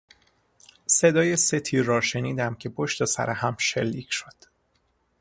صدای سه تیر را شنیدم که پشت سرهم شلیک شد.